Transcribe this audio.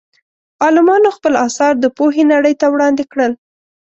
عالمانو خپل اثار د پوهې نړۍ ته وړاندې کړل.